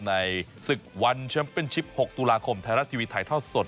ในศึกวันชัมเป็นชิป๖ตุลาคมไทยรัติวีไทยเท่าสด